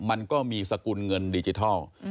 มันก็มีสกุลเงินดิจิทัล